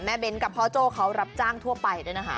เบ้นกับพ่อโจ้เขารับจ้างทั่วไปด้วยนะคะ